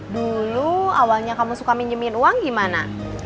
dulu awalnya kamu suka minjemin uang gimana